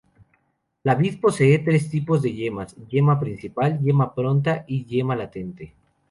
La vid posee tres tipos de yemas: yema principal, yema pronta y yema latente.